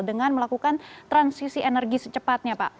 dengan melakukan transisi energi secepatnya pak